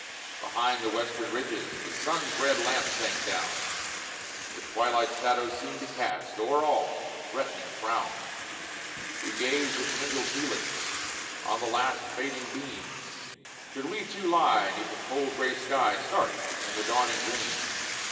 Behind the western ridges The sun's red lamp sank down, The twilight shadows seemed to cast O'er all a threatening frown; We gazed with mingled feelings On the last fading beam, Should we, too, lie 'neath the cold grey sky, Stark in the dawning gleam?